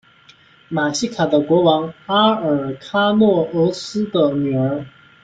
瑙西卡的国王阿尔喀诺俄斯的女儿。